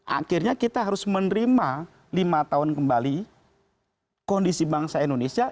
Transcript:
akhirnya kita harus menerima lima tahun kembali kondisi bangsa indonesia